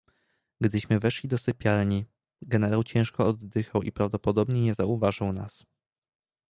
"Gdyśmy weszli do sypialni, generał ciężko oddychał i prawdopodobnie nie zauważył nas."